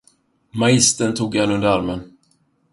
Magistern tog honom under armen.